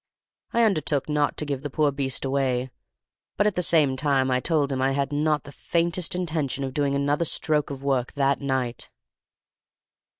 I undertook not to give the poor beast away, but at the same time told him I had not the faintest intention of doing another stroke of work that night.